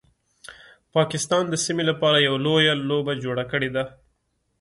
پاکستان د سیمې لپاره یو لویه لوبه جوړه کړیده